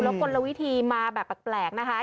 แล้วคนละวิธีมาแบบแปลกนะคะ